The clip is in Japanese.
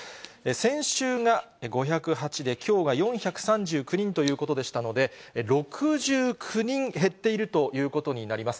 先週が５０８で、きょうが４３９人ということでしたので、６９人減っているということになります。